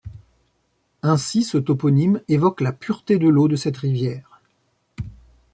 Ainsi, ce toponyme évoque la pureté de l'eau de cette rivière.